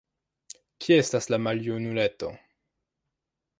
Kie estas la maljunuleto?